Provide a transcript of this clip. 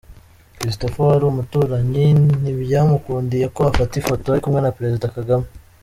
Christopher wari umutaramyi ntibyamukundiye ko afata ifoto ari kumwe na Perezida Kagame.